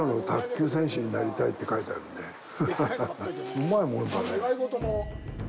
うまいもんだねぇ。